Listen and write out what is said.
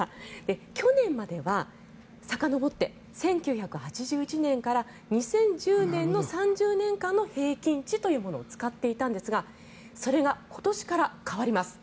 去年まではさかのぼって１９８１年から２０１０年の３０年間の平均値というものを使っていたんですがそれが今年から変わります。